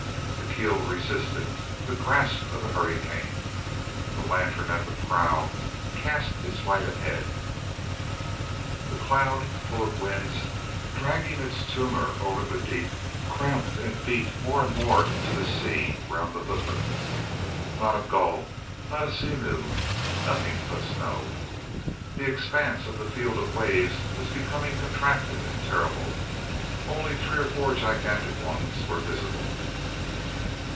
The keel resisted the grasp of the hurricane. The lantern at the prow cast its light ahead. The cloud, full of winds, dragging its tumour over the deep, cramped and eat more and more into the sea round the hooker. Not a gull, not a sea mew, nothing but snow. The expanse of the field of waves was becoming contracted and terrible; only three or four gigantic ones were visible.